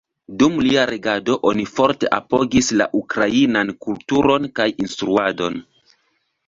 Dum lia regado, oni forte apogis la ukrainan kulturon kaj instruadon.